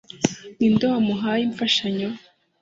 Ninde wamuhaye imfashanyo